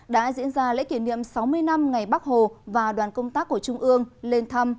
đã diễn ra lễ kỷ niệm sáu mươi năm ngày bắc hồ và đoàn công tác của trung ương lên thăm